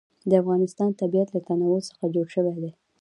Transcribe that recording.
د افغانستان طبیعت له تنوع څخه جوړ شوی دی.